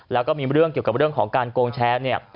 แล้วก็มีเรื่องเกี่ยวกับเรื่องของการโกงแชร์เนี่ย